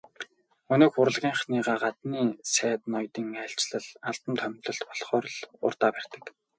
Өнөөх урлагийнхныгаа гаднын сайд ноёдын айлчлал, албан томилолт болохоор л урдаа барьдаг.